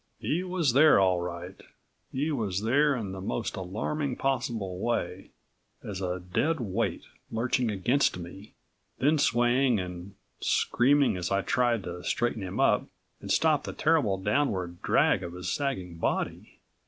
He was there, all right. He was there in the most alarming possible way, as a dead weight lurching against me, then swaying and screaming as I tried to straighten him up, and stop the terrible downward drag of his sagging body.